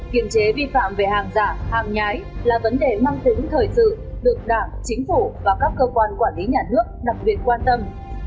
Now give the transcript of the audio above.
kiểm chế vi phạm về hàng giả hàng nhái là vấn đề mang tính thời sự được đảng chính phủ và các cơ quan quản lý nhà nước đặc biệt quan tâm